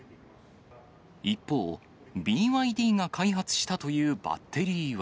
一方、ＢＹＤが開発したというバッテリーは。